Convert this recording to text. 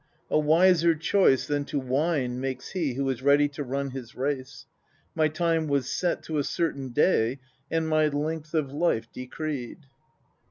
13. A wiser choice than to whine makes he who is ready to run his race : my time was set to a certain day and my length of life decreed.